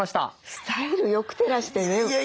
スタイルよくてらしてね。